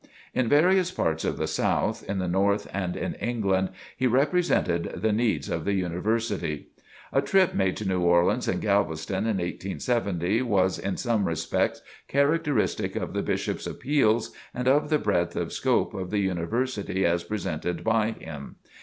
In various parts of the South, in the North and in England, he represented the needs of the University. A trip made to New Orleans and Galveston in 1870 was in some respects characteristic of the Bishop's appeals and of the breadth of scope of the University as presented by him.